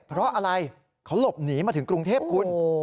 เพราะอะไรเขาหลบหนีมาถึงกรุงเทพคุณ